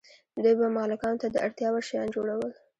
دوی به مالکانو ته د اړتیا وړ شیان جوړول.